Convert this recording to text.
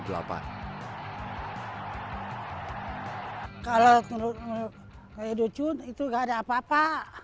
kalau menurut judo chun itu tidak ada apa apa